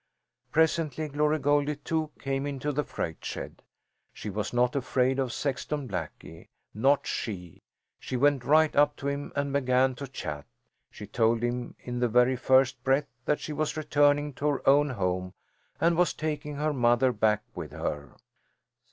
Presently Glory Goldie, too, came into the freight shed. She was not afraid of Sexton Blackie. Not she! She went right up to him and began to chat. She told him in the very first breath that she was returning to her own home and was taking her mother back with her.